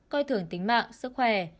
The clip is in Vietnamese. coi thường tính mạng sức khỏe